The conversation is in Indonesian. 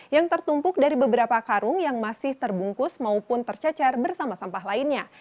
yang tertumpuk dari beberapa karung yang masih terbungkus maupun tercecar bersama sampah lainnya